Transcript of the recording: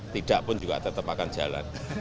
tidak pun juga tetap akan jalan